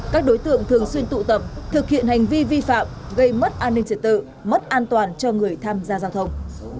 các đối tượng thường xuyên tụ tập thực hiện hành vi vi phạm gây mất an ninh trật tự mất an toàn cho người tham gia giao thông